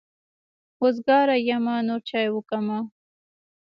وزګاره يمه نور چای وکمه.